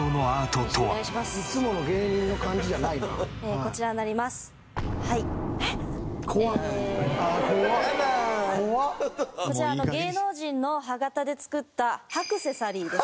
こちら芸能人の歯型で作った歯クセサリーです。